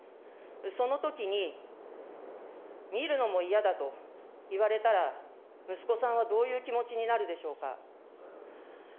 そのときに、見るのも嫌だと言われたら、息子さんはどういう気持ちになるでしょうか。